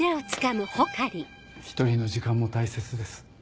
１人の時間も大切です